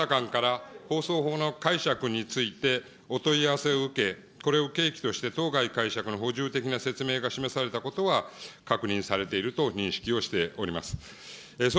平成２７年ごろ、総務省がいそざき総理補佐官から放送法の解釈についてお問い合わせを受け、これを契機として当該解釈の補充的なが示されたことは確認されていると認識をしております。